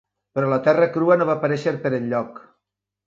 Però la terra crua no va aparèixer per enlloc.